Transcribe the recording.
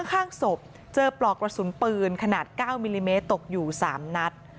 ข้างศพเจอปลอกกระสุนปืนขนาด๙มิลลิเมตรตกอยู่๓นัด